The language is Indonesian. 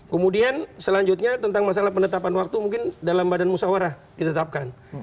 kemudian selanjutnya tentang masalah penetapan waktu mungkin dalam badan musawarah ditetapkan